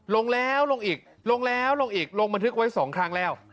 ลงแล้วลงอีกลงแล้วลงอีกลงบันทึกไว้๒ครั้งแล้ว